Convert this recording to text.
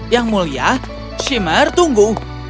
yang mulia shimmer tunggu